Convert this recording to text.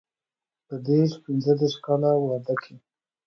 په دیرش پنځه دېرش کاله واده کې.